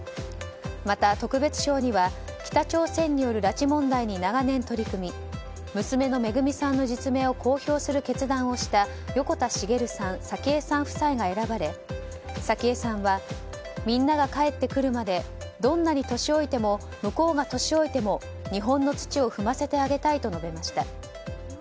また、特別賞には北朝鮮による拉致問題に長年取り組み娘のめぐみさんの実名を公表する決断をした横田滋さん、早紀江さん夫妻が選ばれ、早紀江さんはみんなが帰ってくるまでどんなに年老いても向こうが年老いても日本の土を踏ませてあげたいと述べました。